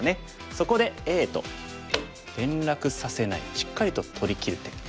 そこでＡと連絡させないしっかりと取りきる手。